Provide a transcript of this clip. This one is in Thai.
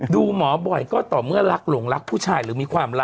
ดูหมอบ่อยก็ต่อเมื่อรักหลงรักผู้ชายหรือมีความรัก